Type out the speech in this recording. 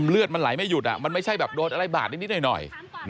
เลือดมันไหลไม่หยุดมันไม่ใช่แบบโดนอะไรบาดนิดหน่อย